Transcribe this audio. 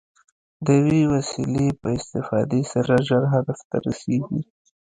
د یوې وسیلې په استفادې سره ژر هدف ته رسېږي.